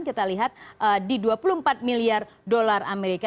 kita lihat di dua puluh empat miliar dolar amerika